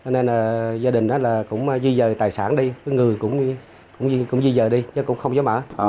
nên gia đình cũng di rời tài sản đi người cũng di rời đi chứ cũng không gió mở